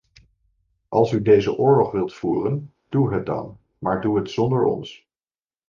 Als u deze oorlog wilt voeren, doe het dan, maar doe het zonder ons!